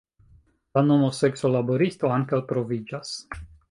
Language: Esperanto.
La nomo sekso–laboristo ankaŭ troviĝas.